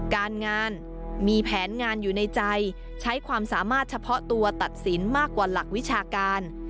การงานมีแผนงานอยู่ในใจใช้ความสามารถเฉพาะตัวตัดสินมากกว่าหลักวิชาการ